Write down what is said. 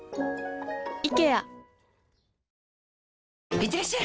いってらっしゃい！